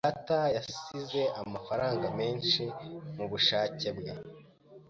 Data yansize amafaranga menshi mubushake bwe.